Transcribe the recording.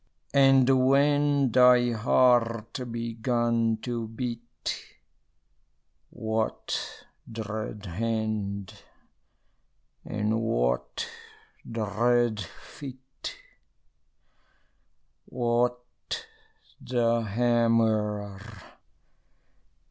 And, when thy heart began to beat, What dread hand and what dread feet? What the hammer?